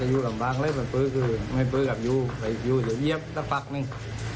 พักเลยมันปื๊กคือไม่ปื๊กกับยูยูจะเยี๊ยบจะปักหนึ่ง